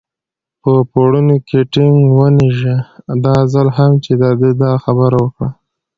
په پوړني کې ټینګ ونېژه، دا ځل هم چې ده دا خبره وکړه.